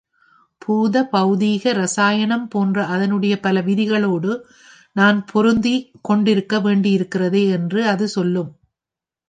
பூத பௌதிக, ரசாயனம் போன்ற அதனுடைய பல விதிகளோடு நான் பொருதிக் கொண்டிருக்க வேண்டியிருக்கிறதே! என்று அது சொல்லும்.